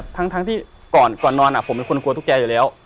ทั้งที่ก่อนนอนผมเป็นคนกลัวตุ๊กแกอยู่แล้ว